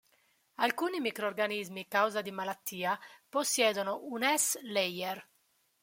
Alcuni microorganismi causa di malattia possiedono un S-layer.